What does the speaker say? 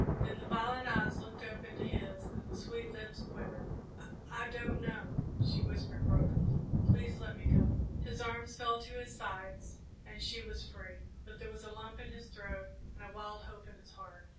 Then the violet eyes looked up into his and the sweet lips quivered. "I I don't know," she whispered brokenly; "please let me go!" His arms fell to his sides and she was free, but there was a lump in his throat and a wild hope in his heart.